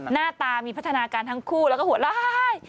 หน้าตามีพัฒนาการทั้งคู่แล้วก็หัวร้าย